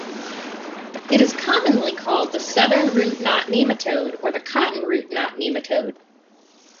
It is commonly called the "southern root-knot nematode'" or the "cotton root-knot nematode".